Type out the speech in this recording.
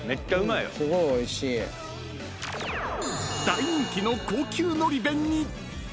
［大人気の高級のり弁に］